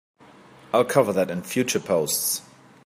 I'll cover that in future posts!